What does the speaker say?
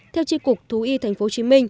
theo tri cục thú y tp hcm